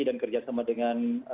dan kerjasama dengan